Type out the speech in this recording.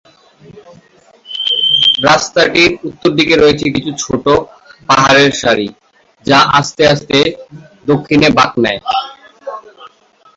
রাস্তাটির উত্তরদিকে রয়েছে কিছু ছোট পাহাড়ের সারি যা আস্তে আস্তে দক্ষিণে বাঁক নেয়।